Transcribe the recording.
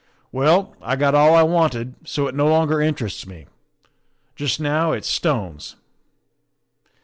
Well, I got all I wanted, so it no longer interests me. Just now it's stones."